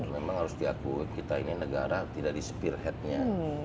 memang harus diakui kita ini negara tidak di spearheadnya